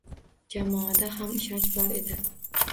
Jamoada ham ishonch bor edi.